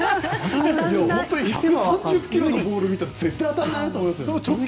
１３０キロのボールでも絶対当たらないなと思いますよね。